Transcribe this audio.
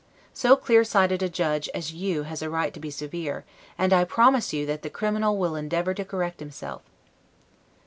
So clear sighted a judge as you has a right to be severe; and I promise you that the criminal will endeavor to correct himself.